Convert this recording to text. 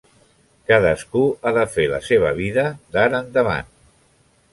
Cadascú ha de fer la seva vida d'ara endavant.